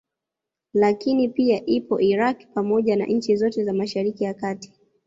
Lakini pia ipo Iraq pamoja na nchi zote za Mashariki ya kati